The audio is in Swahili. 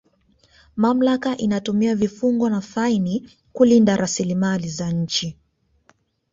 mamlaka inatumia vifungo na faini kulinda rasilimali za nchi